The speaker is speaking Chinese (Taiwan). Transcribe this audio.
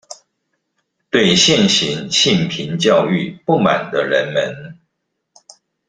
對現行性平教育不滿的人們